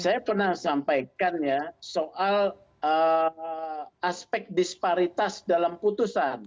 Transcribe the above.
saya pernah sampaikan ya soal aspek disparitas dalam putusan